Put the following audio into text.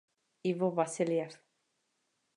Ivo Vasiljev.